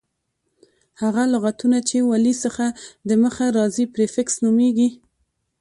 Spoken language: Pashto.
هغه لغتونه، چي د ولي څخه دمخه راځي پریفکس نومیږي.